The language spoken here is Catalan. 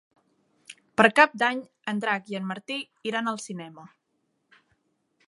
Per Cap d'Any en Drac i en Martí iran al cinema.